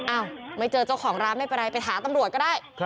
อ้าวไม่เจอเจ้าของร้านไม่เป็นไรไปหาตำรวจก็ได้